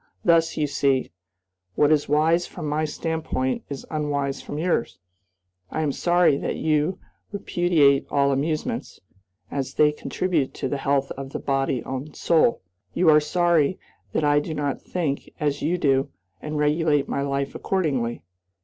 Thus, you see, what is wise from my standpoint is unwise from yours. I am sorry that you repudiate all amusements, as they contribute to the health of body and soul. You are sorry that I do not think as you do and regulate my life accordingly.